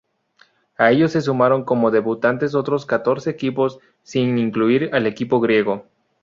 A ellos se sumaron como debutantes otros catorce equipos, sin incluir al equipo griego.